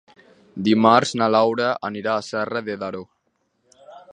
Dimarts na Laura anirà a Serra de Daró.